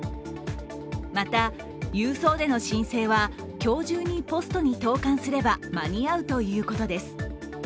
また、郵送での申請は今日中にポストに投かんすれば間に合うということです。